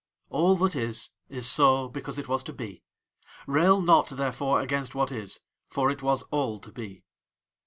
"All that is is so because it was to be. Rail not, therefore, against what is, for it was all to be."